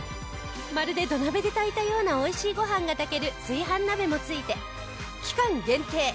まるで土鍋で炊いたような美味しいごはんが炊ける炊飯鍋も付いて期間限定